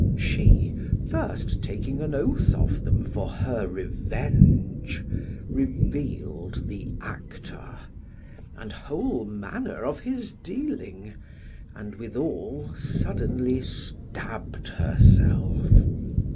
She, first taking an oath of them for her revenge4 revealed the actor, and whole manner of his dealing, and withal suddenly stabbed herself.